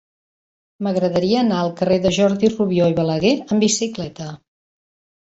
M'agradaria anar al carrer de Jordi Rubió i Balaguer amb bicicleta.